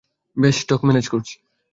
ব্যাস stock manage করছি।